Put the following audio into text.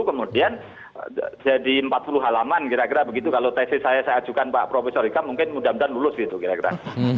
kemudian jadi empat puluh halaman kira kira begitu kalau tesis saya saya ajukan pak profesor ikam mungkin mudah mudahan lulus gitu kira kira